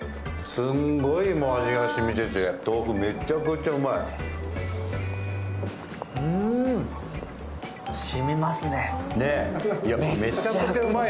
すんごい味が染みてて、豆腐、めちゃくちゃうまい。